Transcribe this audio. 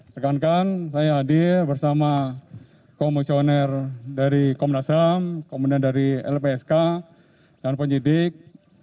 sekankan saya hadir bersama komisioner dari komnas ham komponen dari lpsk dan penyidik